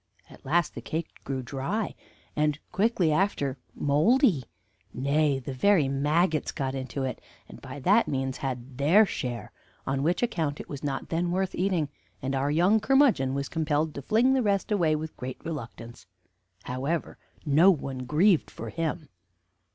At last the cake grew dry, and quickly after moldy; nay, the very maggots got into it, and by that means had their share; on which account it was not then worth eating, and our young curmudgeon was compelled to fling the rest away with great reluctance. However, no one grieved for him."